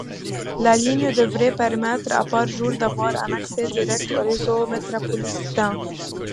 La ligne devrait permettre à par jour d'avoir un accès direct au réseau métropolitain.